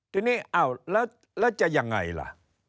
ทีนี้อ้าวแล้วจะยังไงล่ะ